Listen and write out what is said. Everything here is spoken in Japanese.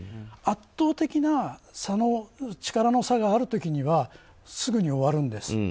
圧倒的な力の差がある時にはすぐに終わるんです。